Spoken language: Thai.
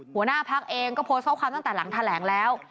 หัวหน้าพักเองก็โพสต์ข้อความตั้งแต่หลังแถลงแล้ว